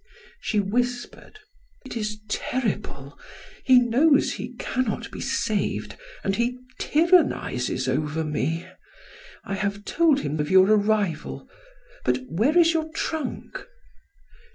She whispered: "It is terrible he knows he cannot be saved and he tyrannizes over me. I have told him of your arrival. But where is your trunk?"